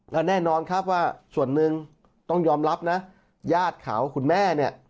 และแน่นอนครับว่าส่วนหนึ่งต้องยอมรับนะญาติเขาคุณแม่เนี่ย